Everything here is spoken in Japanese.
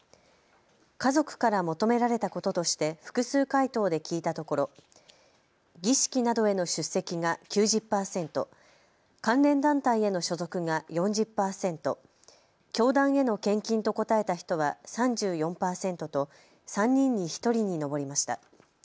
家族から求められたこととして複数回答で聞いたところ儀式などへの出席が９０％、関連団体への所属が４０％、教団への献金と答えた人は３４％と３人に１人に上りました。